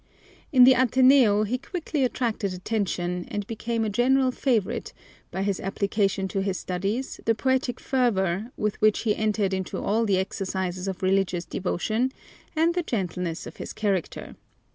In the Ateneo he quickly attracted attention and became a general favorite by his application to his studies, the poetic fervor with which he entered into all the exercises of religious devotion, and the gentleness of his character.